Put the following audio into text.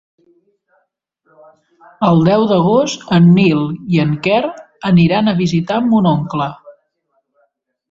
El deu d'agost en Nil i en Quer aniran a visitar mon oncle.